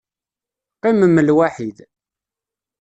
Qqimem lwaḥid.